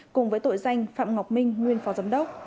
cùng với tội danh phạm ngọc minh nguyên phó giám đốc